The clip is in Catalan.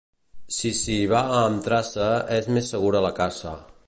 Si s'hi va amb traça és més segura la caça.